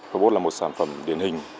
robot là một sản phẩm điển hình